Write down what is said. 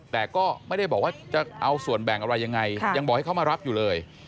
แต่ก็ไม่ได้บอกว่าจะเอาส่วนแบ่งอะไรยังไงยังบอกให้เขามารับอยู่เลย